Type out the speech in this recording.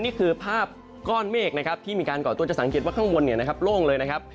นี่คือภาพก้อนเมฆที่มีการก่อตัวจะสังเกตว่าข้างบนโล่งเลยนะครับ